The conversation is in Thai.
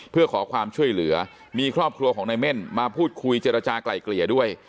เพื่อขอความช่วยเหลือมีครอบครัวของนายเม่นมาพูดคุยเจรจากลายเกลี่ยด้วย